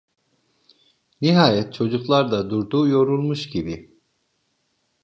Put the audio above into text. Nihayet çocuklar da durdu yorulmuş gibi…